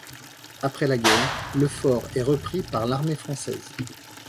Après la guerre, le fort est repris par l’armée française.